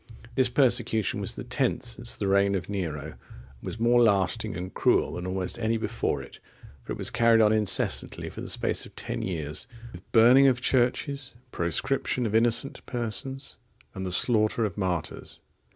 This persecution was the tenth since the reign of Nero, and was more lasting and cruel than almost any before it; for it was carried on incessantly for the space of ten years, with burning of churches, proscription of innocent persons, and the slaughter of martyrs.